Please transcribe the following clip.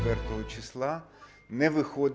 pertemuan dua puluh empat tuhan